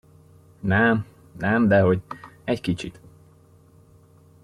Nem, nem dehogy, egy kicsit.